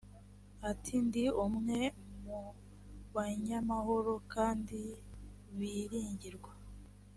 ati ndi umwe mu banyamahoro kandi biringirwa